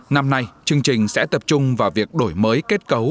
năm nay chương trình sẽ tập trung vào việc đổi mới kết cấu